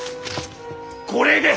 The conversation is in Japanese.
これです！